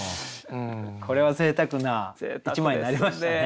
これはぜいたくな一枚になりましたね。